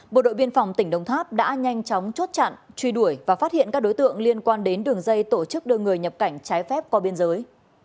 bộ đội biên phòng tỉnh đồng tháp đã nhanh chóng chốt chặn truy đuổi và phát hiện các đối tượng liên quan đến đường dây tổ chức đưa người nhập cảnh trái phép qua biên giới